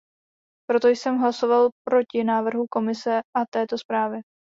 Proto jsem hlasoval proti návrhu Komise a této zprávě.